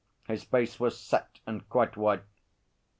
His face was set and quite white.